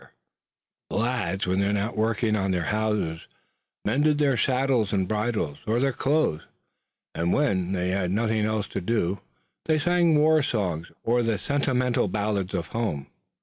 The lads, when they were not working on the houses, mended their saddles and bridles or their clothes, and when they had nothing else to do they sang war songs or the sentimental ballads of home.